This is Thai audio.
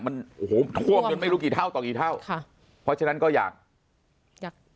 มันโอ้โหท่วมจนไม่รู้กี่เท่าต่อกี่เท่าค่ะเพราะฉะนั้นก็อยากอยาก